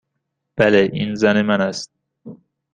بله. این زن من است.